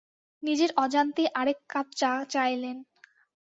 নিজের অজান্তেই আরেক কাপ চা চাইলেন।